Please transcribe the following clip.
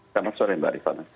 selamat sore mbak rifana